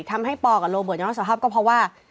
ทำให้ปอกับโรเบิร์ตยังรับสภาพก็เพราะว่า